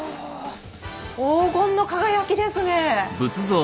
黄金の輝きですね！